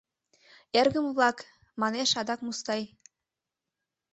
— Эргым-влак! — манеш адак Мустай.